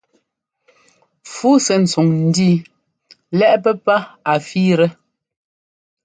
Fu sɛ́ ntsuŋ ńdíi lɛ́ꞌ pɛ́pá a fíitɛ.